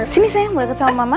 sini sayang berdekat sama mama